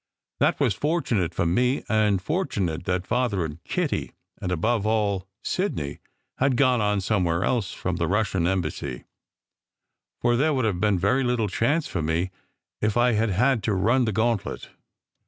That was fortunate for me; and fortunate that Father and Kitty, and above all Sidney, had gone on somewhere else from the Russian Em bassy, for there would have been very little chance for me if I had had to run the gauntlet.